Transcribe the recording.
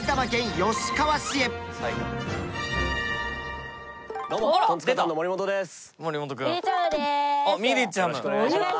よろしくお願いします。